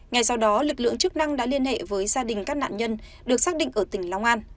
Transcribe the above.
ngay sau đó lực lượng chức năng đã liên hệ với gia đình các nạn nhân được xác định ở tỉnh long an